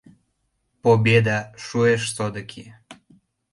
Победа шуэш содыки.